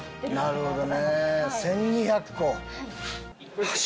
なるほど。